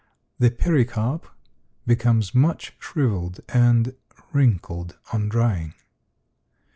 The pericarp becomes much shriveled and wrinkled on drying.